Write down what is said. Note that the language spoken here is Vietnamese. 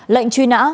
lệnh truy nã